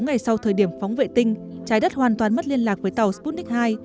ngày sau thời điểm phóng vệ tinh trái đất hoàn toàn mất liên lạc với tàu sputnik hai